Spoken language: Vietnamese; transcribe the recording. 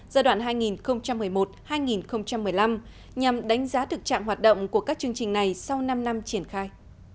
giai đoạn hai nghìn một mươi một hai nghìn một mươi năm nhằm đánh giá thực trạng hoạt động của các chương trình này sau năm năm triển khai